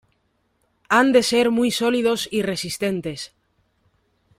Han de ser muy sólidos y resistentes.